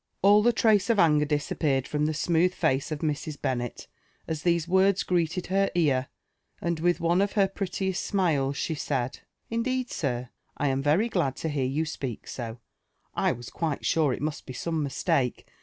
All trace of anger disappeared from the smooth face of Mrs. Bennet as these words greeted her ear, and with one of her prettiest smiles she said —" Indeed, sir, I am very glad to hear you speak so ; I was quite sure it must be some mistake.